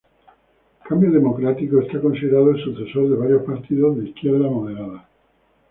Cambio Democrático es considerado el sucesor de varios partidos de izquierda moderada.